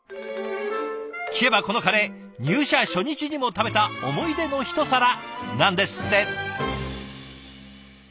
聞けばこのカレー入社初日にも食べた思い出のひと皿なんですって！